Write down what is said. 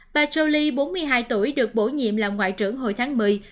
bà roli bốn mươi hai tuổi được bổ nhiệm làm ngoại trưởng hồi tháng một mươi